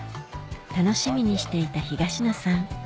楽しみにしていた東野さん